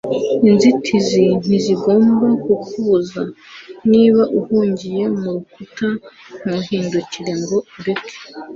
Inzitizi ntizigomba kukubuza. Niba uhungiye mu rukuta, ntuhindukire ngo ureke.